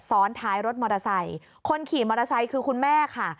ซ้อนท้ายรถมอเตอร์ไซค์คนขี่มอเตอร์ไซค์คือคุณแม่ค่ะ